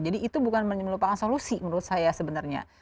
jadi itu bukan melupakan solusi menurut saya sebenarnya